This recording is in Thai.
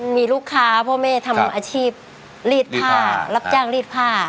มีลูกค้าพ่อแม่ทำอาชีพรีดผ้ารับจ้างรีดผ้า